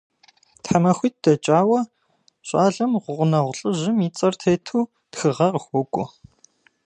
ТхьэмахуитӀ дэкӀауэ щӀалэм гъунэгъу лӀыжьым и цӀэр тету тхыгъэ къыхуокӀуэ.